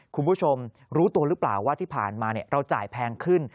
คุณผู้ชมรู้ตัวหรือเปล่าว่าที่ผ่านมาเราจ่ายแพงขึ้น